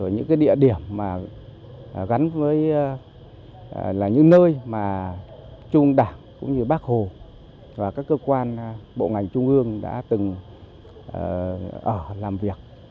những địa điểm mà gắn với là những nơi mà trung đảng cũng như bác hồ và các cơ quan bộ ngành trung ương đã từng ở làm việc